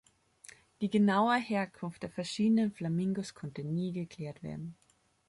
Die genaue Herkunft der verschiedenen Flamingos konnte nie geklärt werden.